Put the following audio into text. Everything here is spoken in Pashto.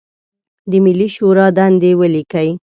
د ملي شورا دندې ولیکئ.